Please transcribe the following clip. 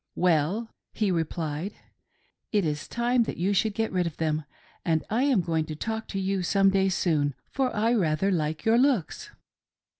" Well," he replied, " It is time that you should get rid of them, and I am going to talk to you some day soon, for I rather like your looks."